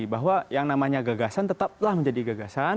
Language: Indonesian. bahwa yang namanya gagasan tetap lah menjadi gagasan